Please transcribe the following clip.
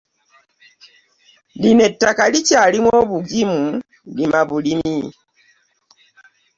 Lino ettaka likyalimu obugimu lima bulimi.